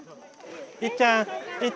いっちゃん！いっちゃん！